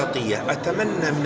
menjadi asasi penting